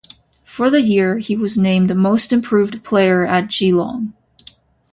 For the year, he was named most improved player at Geelong.